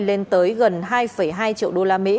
lên tới gần hai hai triệu đô la mỹ